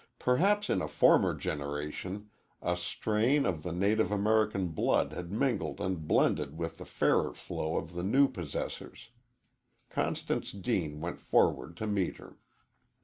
Perhaps in a former generation a strain of the native American blood had mingled and blended with the fairer flow of the new possessors. Constance Deane went forward to meet her.